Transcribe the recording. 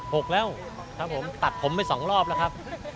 หกแล้วครับผมตัดผมไปสองรอบแล้วครับ